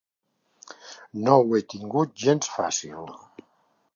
No ho he tingut gens fàcil.